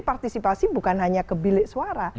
partisipasi bukan hanya ke bilik suara